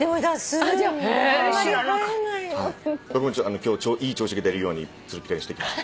今日いい調子が出るようにツルピカにしてきました。